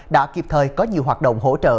đã kịp thời có nhiều hoạt động hỗ trợ